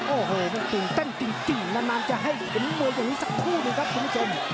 โอ้โหเธอเต้นกินจริงละนานจะให้เกินโลโหยอยุ่นิสักพูดดีครับคุณผู้มือชม